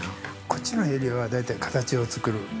◆こっちのエリアは大体、形を作る。